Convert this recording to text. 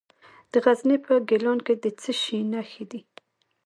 د غزني په ګیلان کې د څه شي نښې دي؟